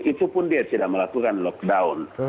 itu pun dia tidak melakukan lockdown